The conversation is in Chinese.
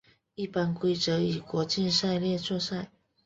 一般规则以国际赛例作赛。